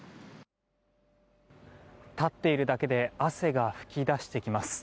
立っているだけで汗が噴き出してきます。